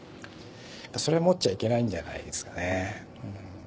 それ持っちゃいけないんじゃないですかね。